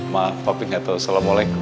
maaf papi gak tau assalamu'alaikum